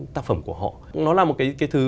tác phẩm của họ nó là một cái thứ